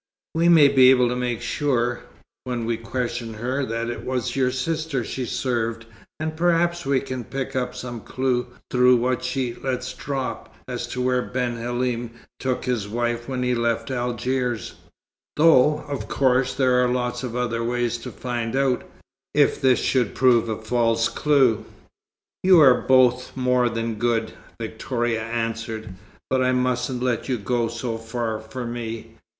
"We may be able to make sure, when we question her, that it was your sister she served; and perhaps we can pick up some clue through what she lets drop, as to where Ben Halim took his wife when he left Algiers though, of course, there are lots of other ways to find out, if this should prove a false clue." "You are both more than good," Victoria answered, "but I mustn't let you go so far for me.